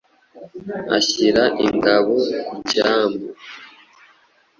ashyira ingabo ku cyambu